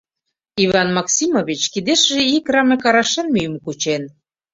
Иван Максимович кидешыже ик раме карашан мӱйым кучен.